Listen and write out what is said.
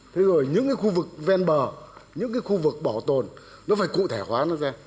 thế rồi những cái khu vực ven bờ những cái khu vực bảo tồn nó phải cụ thể hóa nó ra